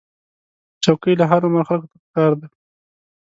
چوکۍ له هر عمر خلکو ته پکار ده.